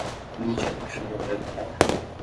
Mídia continua a perguntar